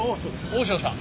大塩さん。